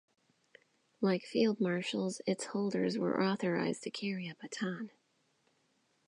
Like field marshals its holders were authorised to carry a baton.